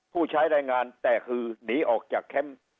ผู้ใช้แรงงานแตกคือหนีออกจากแคมป์